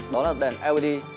đó là đèn led